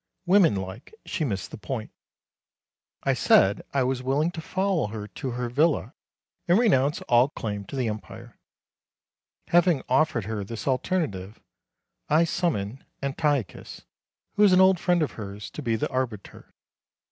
Woman like, she missed the point. I said I was willing to follow her to her villa and renounce all claim to the Empire. Having offered her this alternative, I summoned Antiochus, who is an old friend of hers, to be the arbiter.